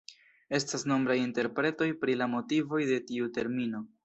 Estas nombraj interpretoj pri la motivoj de tiu termino.